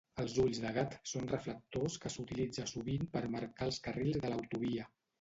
Els ulls de gat són reflectors que s'utilitza sovint per marcar els carrils de l'autovia